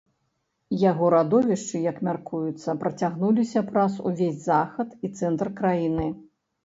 Яго радовішчы, як мяркуецца, працягнуліся праз увесь захад і цэнтр краіны.